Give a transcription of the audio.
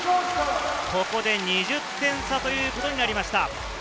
ここで２０点差ということになりました。